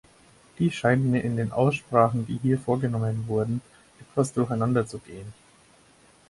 Dies scheint mir in den Aussprachen, die hier vorgenommen wurden, etwas durcheinander zu gehen.